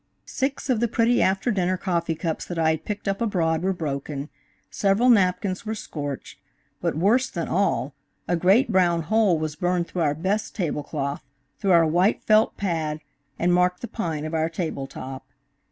Six of the pretty after dinner coffee cups that I had picked up abroad were broken, several napkins were scorched, but worse than all, a great, brown hole was burned through our best tablecloth, through our white felt pad, and marked the pine of our table top.